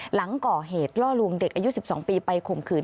หลังก่อเหตุล่อลวงเด็กอายุ๑๒ปีไปข่มขืน